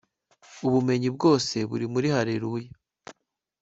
ubumenyi bwose buri muri haleluya